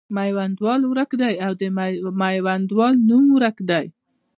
میوندوال ورک دی او د میوندوال نوم ورک دی.